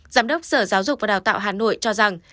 giám đốc sở giáo dục và đào tạo hà nội cho rằng